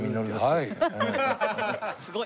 はい。